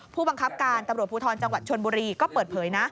ผู้บังคับการตำรวจภูทรจังหวัดชนบุรีก็เปิดเผยนะ